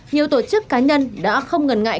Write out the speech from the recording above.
nhiều tổ chức cá nhân đã không ngần ngại